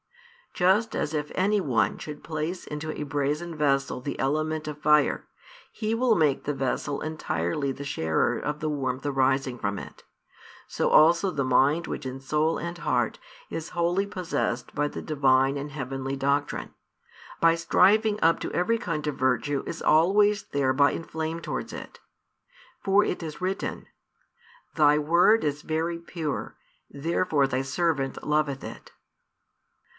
Just as if any one should place into a brazen vessel the element of fire, he will make the vessel entirely the sharer of the warmth arising from it, so also the mind which in soul and heart is wholly possessed by the Divine and heavenly doctrine, by striving up to every kind of virtue is always thereby inflamed towards it. For it is written: Thy word is very pure: therefore Thy servant loveth it.